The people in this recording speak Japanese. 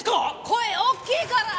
声大きいから！